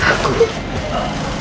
terima kasih pak